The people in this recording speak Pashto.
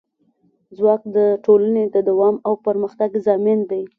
ځواک د ټولنې د دوام او پرمختګ ضامن دی.